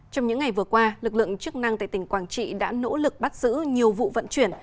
trong những ngày vừa qua lực lượng chức năng tại tỉnh quảng trị đã nỗ lực bắt giữ nhiều vụ vận chuyển